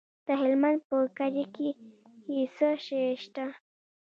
د هلمند په کجکي کې څه شی شته؟